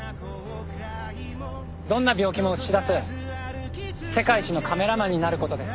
どんな病気も写し出す世界一のカメラマンになることです